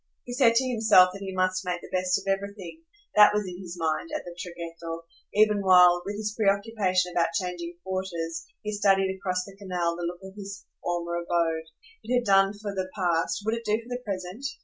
He said to himself that he must make the best of everything; that was in his mind, at the traghetto, even while, with his preoccupation about changing quarters, he studied, across the canal, the look of his former abode. It had done for the past, would it do for the present?